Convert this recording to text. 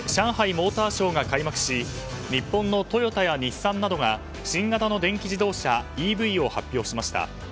モーターショーが開幕し日本のトヨタや日産などが新型の電気自動車・ＥＶを発表しました。